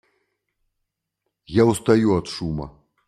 Я устаю от шума.